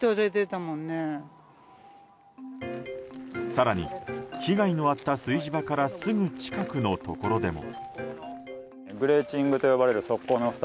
更に、被害のあった炊事場からすぐ近くのところでも。